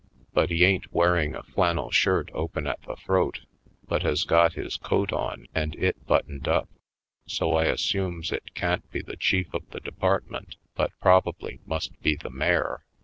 But he ain't wearing a flannel shirt open at the throat, but has got his coat on and it buttoned up, so I assumes it can't be the chief of the department but probably must be the mayor.